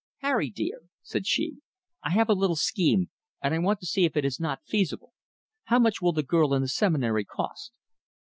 "Harry, dear," said she, "I have a little scheme, and I want to see if it is not feasible. How much will the girl and the Seminary cost?"